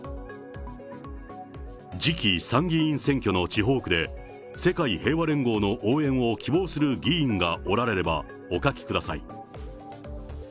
次期参議院選挙の地方区で、世界平和連合の応援を希望する議員がおられればお書きください。